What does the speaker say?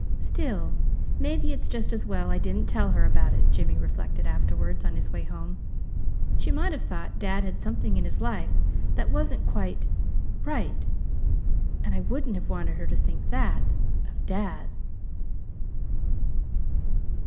"Still, maybe it's just as well I didn't tell her about it," Jimmy reflected afterwards, on his way home. "She might have thought dad had something in his life that wasn't quite right. And I wouldn't have wanted her to think that of dad."